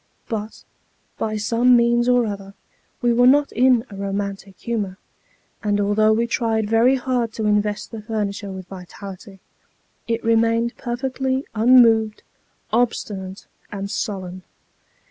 But, by some means or other, we were not in a romantic humour ; and although we tried very hard to invest the furniture with vitality, it remained perfectly unmoved, obstinate, and sullen.